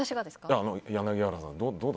柳原さんが。